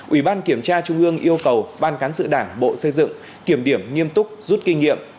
ủy ban kiểm tra trung ương yêu cầu ban cán sự đảng bộ xây dựng kiểm điểm nghiêm túc rút kinh nghiệm